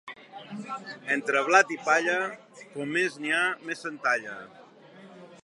Entre blat i palla, com més n'hi ha més se'n dalla.